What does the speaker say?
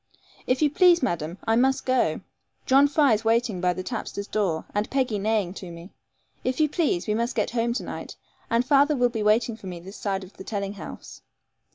'If you please, madam, I must go. John Fry is waiting by the tapster's door, and Peggy neighing to me. If you please, we must get home to night; and father will be waiting for me this side of the telling house.'